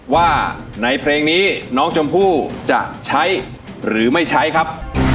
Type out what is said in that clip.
ว่าในเพลงนี้น้องชมพู่จะใช้หรือไม่ใช้ครับ